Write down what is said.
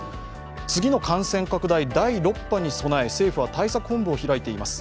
次の感染拡大第６波に備え、政府は対策本部を開いています。